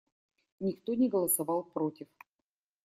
Никто не голосовал против.